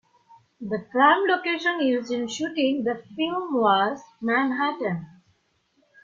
The prime location used in shooting the film was Manhattan.